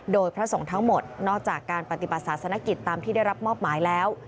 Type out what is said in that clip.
โดยพระสงฆ์ทั้งหมดนอกจากการปฏิบัติศาสนกิจตามที่ได้รับมอบหมายแล้ว